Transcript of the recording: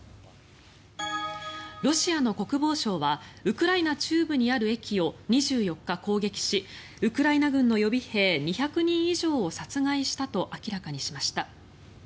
ロシアの国防省はウクライナ中部にある駅を２４日、攻撃しウクライナ軍の予備兵２００人以上を殺害したと明らかにしました。